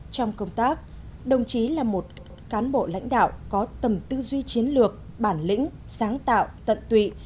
trong công tác đồng chí là một cán bộ lãnh đạo có tầm tư duy chiến lược bản lĩnh sáng tạo tận tụy